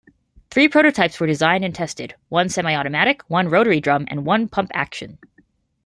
Three prototypes were designed and tested: one semi-automatic, one rotary-drum, and one pump-action.